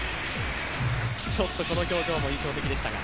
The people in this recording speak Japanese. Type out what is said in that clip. ちょっとこの表情も印象的でしたが。